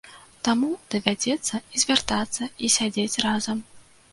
Таму, давядзецца і звяртацца, і сядзець разам.